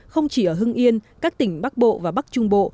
không chỉ ở hưng yên các tỉnh bắc bộ và bắc trung bộ